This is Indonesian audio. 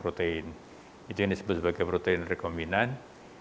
jadi saat ini bomba tidak menyimpan oops